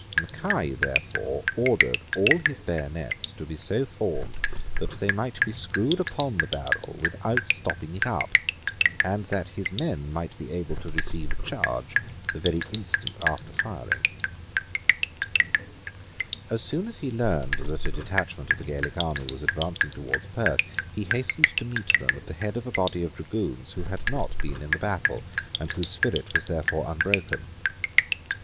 Mackay therefore ordered all his bayonets to be so formed that they might be screwed upon the barrel without stopping it up, and that his men might be able to receive a charge the very instant after firing, As soon as he learned that a detachment of the Gaelic army was advancing towards Perth, he hastened to meet them at the head of a body of dragoons who had not been in the battle, and whose spirit was therefore unbroken.